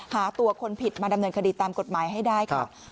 หาตัวคนผิดมาดำเนินคดีตามกฎหมายให้ได้ค่ะ